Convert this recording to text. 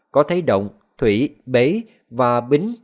có thấy động thủy bế và bính